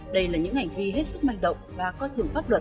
đây là những ảnh vi hết sức mạnh động và có thường pháp luật